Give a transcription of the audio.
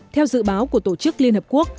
theo dự báo của tổ chức liên hợp quốc